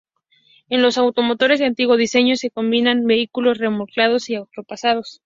En los automotores de antiguo diseño, se combinan vehículos remolcados y autopropulsados.